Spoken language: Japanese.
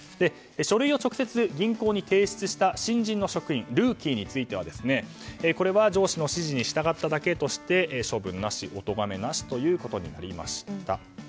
書類を直接銀行に提出した新人の職員ルーキーについてはこれは上司の指示に従っただけとし、処分なしお咎めなしということになりました。